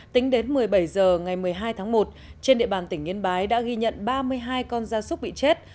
tính đến một mươi bảy h ngày một mươi hai tháng một trên địa bàn tỉnh yên bái đã ghi nhận ba mươi hai con da súc bị chết